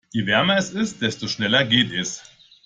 Je wärmer es ist, desto schneller geht es.